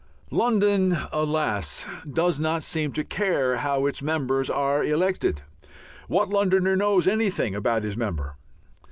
London, alas! does not seem to care how its members are elected. What Londoner knows anything about his member?